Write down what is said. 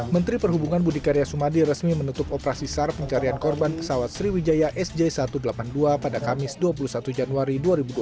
menteri perhubungan budi karya sumadi resmi menutup operasi sar pencarian korban pesawat sriwijaya sj satu ratus delapan puluh dua pada kamis dua puluh satu januari dua ribu dua puluh